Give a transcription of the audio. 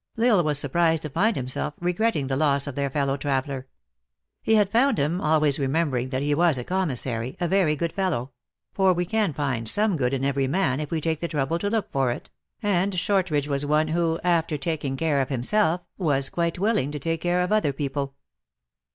L Isle was surprised to find himself regretting the loss of their fellow traveler. He had found him, al ways remembering that he was a commissary, a very good fellow ; for we can find some good in every man, if we take the trouble to look for it ; and Shortridge was one who, after taking care of himself, was quite willing to take care of other people.